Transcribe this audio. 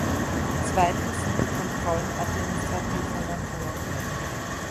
Zweitens sind die Kontrollen administrativer Natur.